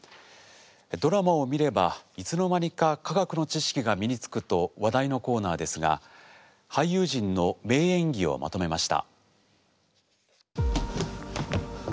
ドラマを見ればいつの間にか化学の知識が身につくと話題のコーナーですが俳優陣の名演技をまとめました。